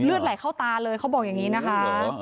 ไหลเข้าตาเลยเขาบอกอย่างนี้นะคะ